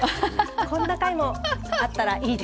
こんな回もあったらいいですよね。